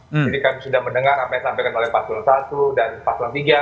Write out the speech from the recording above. jadi kami sudah mendengar sampai sampaikan oleh pasul satu dan pasul tiga